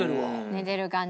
寝てる感じ。